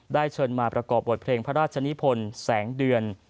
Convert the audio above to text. เชิญมาประกอบบทเพลงพระราชนิพลแสงเดือน